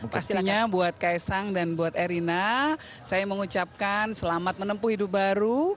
pastinya buat kaisang dan buat erina saya mengucapkan selamat menempuh hidup baru